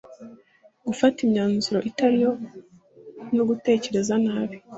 Gufata imyanzuro itari yo no gutekereza nabi